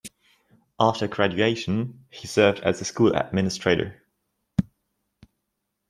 After graduation, he served as a school administrator.